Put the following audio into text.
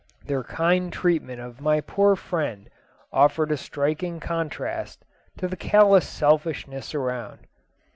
Their kind treatment of my poor friend offered a striking contrast to the callous selfishness around.